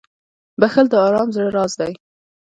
• بښل د ارام زړه راز دی.